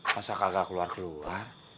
masa kagak keluar keluar